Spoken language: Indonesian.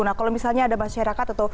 nah kalau misalnya ada masyarakat atau